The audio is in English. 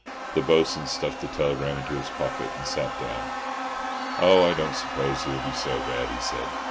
The Bo'sun stuffed the telegram into his pocket and sat down. "Oh, I don't suppose he'll be so bad," he said.